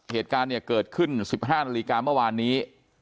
เหตุการณ์เนี่ยเกิดขึ้น๑๕นาฬิกาเมื่อวานนี้